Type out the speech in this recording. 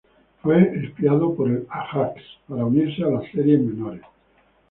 Fue espiado por el Ajax, para unirse a las series menores.